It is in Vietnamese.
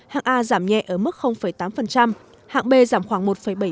hạng a giảm nhẹ ở mức tám hạng b giảm khoảng một bảy mươi